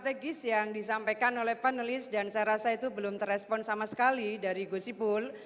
ada hal strategis yang disampaikan oleh panelis dan saya rasa itu belum terespon sama sekali dari guzipul